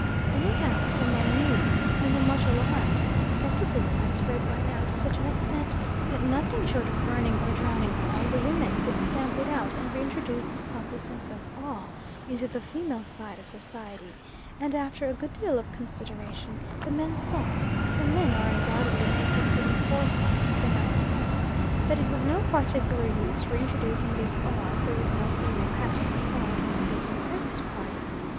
Anyhow, the men knew, and were much alarmed; scepticism had spread by now to such an extent that nothing short of burning or drowning all the women could stamp it out and reintroduce the proper sense of awe into the female side of Society, and after a good deal of consideration the men saw, for men are undoubtedly more gifted in foresight than our sex, that it was no particular use reintroducing this awe if there was no female half of Society to be impressed by it.